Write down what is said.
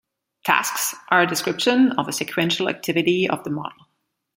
'Tasks' are a description of a sequential activity of the model.